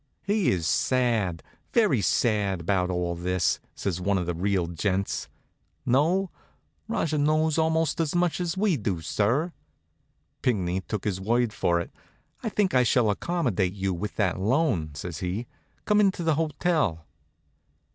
"He is sad, very sad, about all this," says one of the real gents. "Know? Rajah knows almost as much as we do, sir." Pinckney took his word for it. "I think I shall accommodate you with that loan," says he. "Come into the hotel."